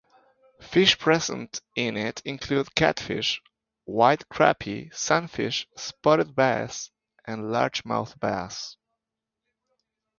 Fish present in it include catfish, white crappie, sunfish, spotted bass, and largemouth bass.